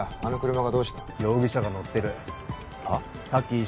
あの車がどうした容疑者が乗ってるはっ？